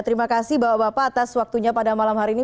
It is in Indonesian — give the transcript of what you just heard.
terima kasih bapak bapak atas waktunya pada malam hari ini